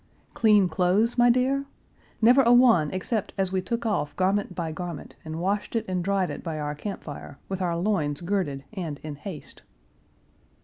Clean clothes, my dear? Never a one except as we took off garment by garment and washed it and dried it by our camp fire, with our loins girded and in haste."